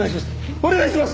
お願いします。